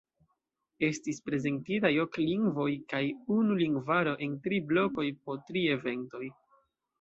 Estis prezentitaj ok lingvoj kaj unu lingvaro en tri blokoj po tri eventoj.